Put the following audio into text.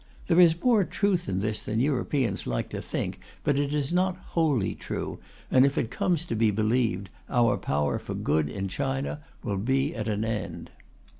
There is more truth in this than Europeans like to think, but it is not wholly true, and if it comes to be believed our power for good in China will be at an end.